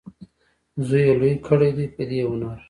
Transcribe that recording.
زوی یې لوی کړی دی په دې هنر.